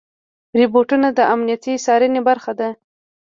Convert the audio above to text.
روبوټونه د امنیتي څارنې برخه دي.